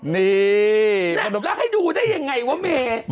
เนี่ยลักให้ดูได้ยังไงว้าเมะ